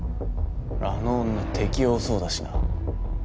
あの女敵多そうだしな。